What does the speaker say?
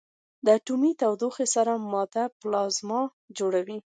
د اټومي تودوخې سره ماده پلازما جوړېږي.